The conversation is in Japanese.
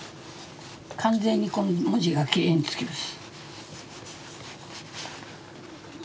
完全にこう文字がきれいにつきます。